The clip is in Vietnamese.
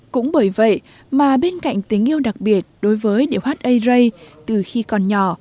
cũng bởi vậy mà bên cạnh tình yêu đặc biệt đối với điệu hát ây rây từ khi còn nhỏ